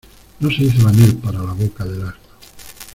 No se hizo la miel para la boca del asno.